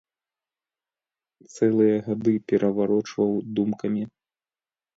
Цэлыя гады пераварочваў думкамі.